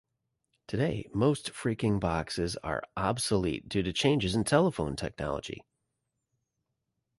Today, most phreaking boxes are obsolete due to changes in telephone technology.